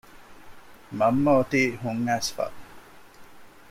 މަންމަ އޮތީ ހުން އައިސްފަ